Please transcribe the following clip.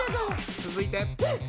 続いて。